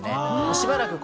しばらく。